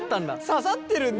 刺さってるんだ。